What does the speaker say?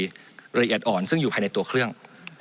ละเอียดอ่อนซึ่งอยู่ภายในตัวเครื่อง